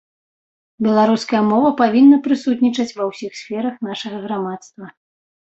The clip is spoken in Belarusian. Беларуская мова павінна прысутнічаць ва ўсіх сферах нашага грамадства.